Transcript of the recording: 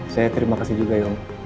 saya terima kasih juga yong